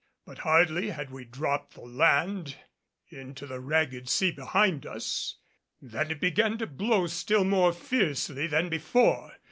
But hardly had we dropped the land into the ragged sea behind us than it began to blow still more fiercely than before.